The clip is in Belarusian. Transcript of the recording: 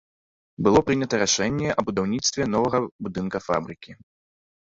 Было прынята рашэнне аб будаўніцтве новага будынка фабрыкі.